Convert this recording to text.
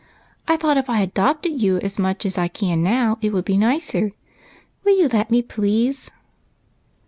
I thought if I adopted you as much as I can now, it would be nicer. Will you let me, please?"